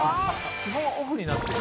「基本オフになってる」